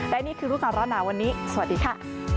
และนี่คือรุการรอดนาวันนี้สวัสดีค่ะ